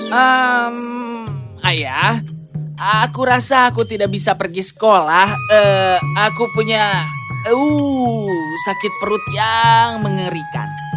hmm ayah aku rasa aku tidak bisa pergi sekolah aku punya sakit perut yang mengerikan